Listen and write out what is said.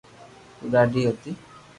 او ڌادي ھتي